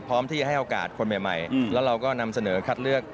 พร้อมที่จะให้โอกาสคนใหม่แล้วเราก็นำเสนอคัดเลือก